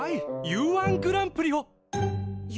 Ｕ−１グランプリ？